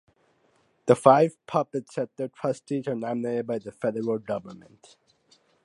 The five public sector trustees are nominated by the Federal Government.